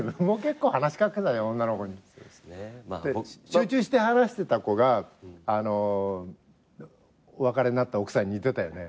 集中して話してた子がお別れになった奥さんに似てたよね。